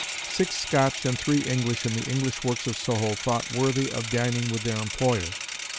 Six Scotch and three English in the English works of Soho thought worthy of dining with their employer!